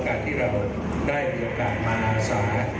การที่เราได้มีโอกาสมาอาสา